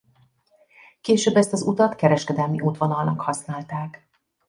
Később ezt az utat kereskedelmi útvonalnak használták.